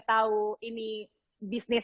tahu ini bisnis